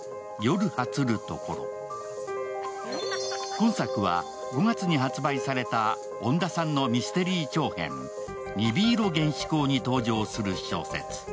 今作は、５月に発売された恩田さんのミステリー長編「鈍色幻視行」に登場する小説。